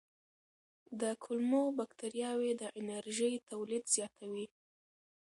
د کولمو بکتریاوې د انرژۍ تولید زیاتوي.